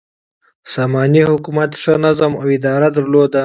ساماني حکومت ښه نظم او اداره درلوده.